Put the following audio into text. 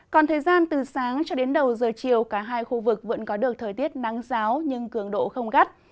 còn thời gian từ sáng cho đến đầu giờ chiều cả hai khu vực vẫn có được thời tiết nắng giáo nhưng cường độ không gắt